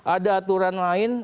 ada aturan lain